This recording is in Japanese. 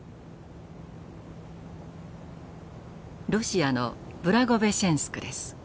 ロシアのブラゴベシチェンスクです。